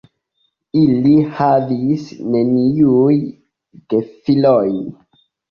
Ili havis neniujn gefilojn.